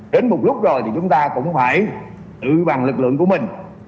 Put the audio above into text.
đến một lúc rồi thì chúng ta cũng phải tự bằng lực lượng của mình